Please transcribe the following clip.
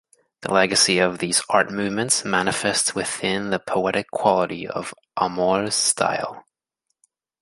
The legacy of these art movements manifests within the poetic quality of Amor's style.